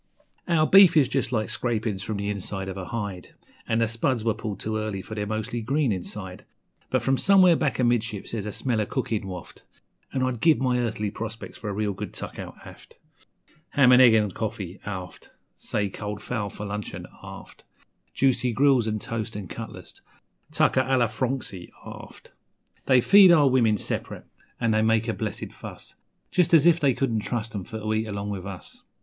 Our beef is just like scrapin's from the inside of a hide, And the spuds were pulled too early, for they're mostly green inside; But from somewhere back amidships there's a smell o' cookin' waft, An' I'd give my earthly prospects for a real good tuck out aft Ham an' eggs 'n' coffee, aft, Say, cold fowl for luncheon, aft, Juicy grills an' toast 'n' cutlets tucker a lor frongsy, aft. They feed our women sep'rate, an' they make a blessed fuss, Just as if they couldn't trust 'em for to eat along with us!